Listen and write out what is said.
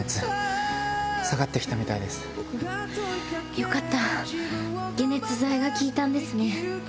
よかった解熱剤が効いたんですね。